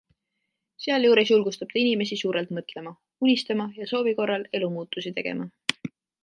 Sealjuures julgustab ta inimesi suurelt mõtlema, unistama ja soovi korral elumuutusi tegema.